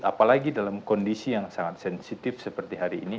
apalagi dalam kondisi yang sangat sensitif seperti hari ini